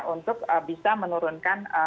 untuk bisa menurunkan